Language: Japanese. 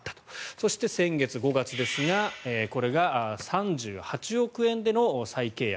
そして、先月５月ですがこれが３８億円での再契約。